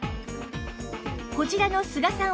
こちらの須賀さん